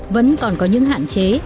vẫn còn có những hạn chế